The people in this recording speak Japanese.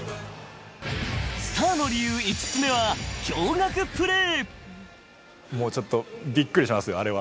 スターの理由、５つ目は驚がくプレー。